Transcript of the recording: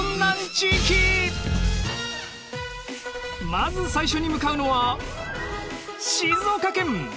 まず最初に向かうのは静岡県。